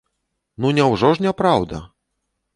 Ну, няўжо ж не праўда!